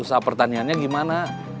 usaha pertaniannya gimana